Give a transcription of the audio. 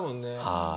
はい。